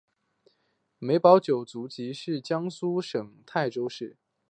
梅葆玖祖籍江苏省泰州市。